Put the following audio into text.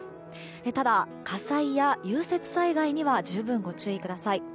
ただ、火災や融雪災害には十分ご注意ください。